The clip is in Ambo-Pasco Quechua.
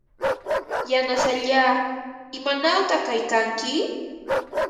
Yanasallaa, ¿imanawta kaykanki?